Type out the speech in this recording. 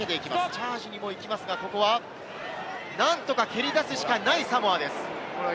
チャージにも行きますが、ここは何とか蹴り出すしかできないサモアです。